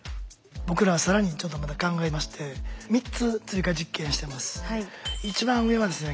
僕らは更にちょっとまた考えまして３つ追加実験してます。